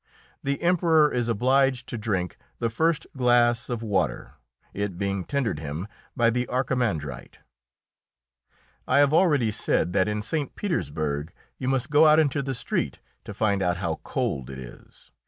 The Emperor is obliged to drink the first glass of water, it being tendered him by the Archimandrite. I have already said that in St. Petersburg you must go out into the street to find out how cold it is.